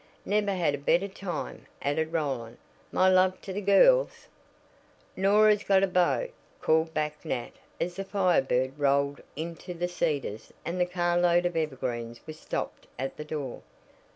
"Never had a better time," added Roland. "My love to the girls " "Norah's got a beau!" called back Nat as the Fire Bird rolled into The Cedars and the carload of evergreens was stopped at the door.